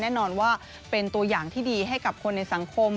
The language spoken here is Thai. แน่นอนว่าเป็นตัวอย่างที่ดีให้กับคนในสังคม